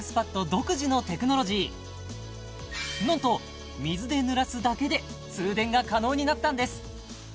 独自のテクノロジーなんと水でぬらすだけで通電が可能になったんです